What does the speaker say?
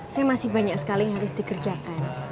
saya masih banyak sekali yang harus dikerjakan